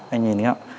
anh nhìn thấy không